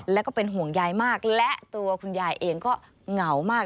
แล้วก็เป็นห่วงยายมากและตัวคุณยายเองก็เหงามาก